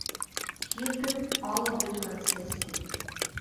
Һирпеп алып бөткәнсе эстем.